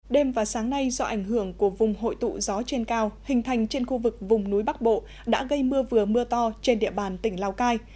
đêm và sáng nay do ảnh hưởng của vùng hội tụ gió trên cao hình thành trên khu vực vùng núi bắc bộ đã gây mưa vừa mưa to trên địa bàn tỉnh lào cai